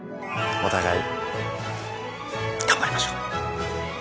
お互い頑張りましょう。